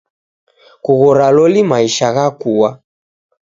Kughora loli maisha ghakua!